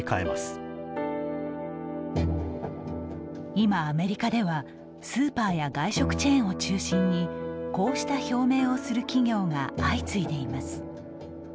今アメリカではスーパーや外食チェーンを中心にこうした表明をする企業が相次いでいます。